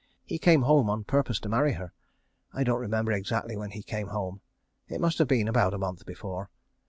He came home on purpose to marry her. I don't remember exactly when he came home. It must have been about a month before.